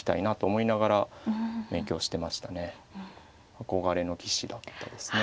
憧れの棋士だったですね。